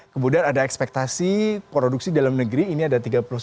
kemudian ada ekspektasi produksi dalam negeri ini ada tiga puluh satu sembilan ratus tiga puluh empat